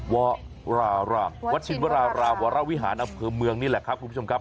วัดชินวาราวิหารอเผิมเมืองนี่แหละครับคุณผู้ชมครับ